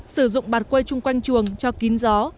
sử dụng bạt quây chung quanh chuồng cho kín gió